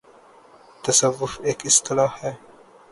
' تصوف‘ ایک اصطلاح ہے۔